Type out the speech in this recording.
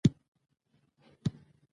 خپلی ذهنی ودي ته پاملرنه کوم